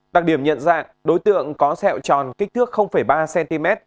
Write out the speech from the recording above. đặc điểm nhận dạng đối tượng có sẹo tròn kích thước ba cm